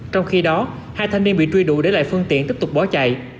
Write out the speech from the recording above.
trong khi đó hai thanh niên bị truy đuổi để lại phương tiện tiếp tục bỏ chạy